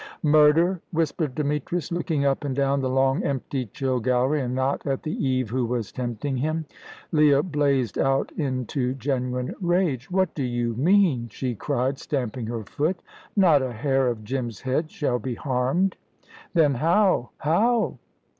"Murder," whispered Demetrius, looking up and down the long, empty, chill gallery, and not at the Eve who was tempting him. Leah blazed out into genuine rage. "What do you mean?" she cried, stamping her foot. "Not a hair of Jim's head shall be harmed." "Then how how